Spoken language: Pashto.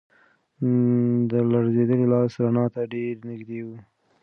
د ده لړزېدلی لاس رڼا ته ډېر نږدې و.